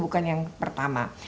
dan yang pertama